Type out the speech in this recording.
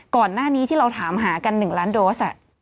ก่อนหน้านี้ที่เราถามหากัน๑ล้านโดส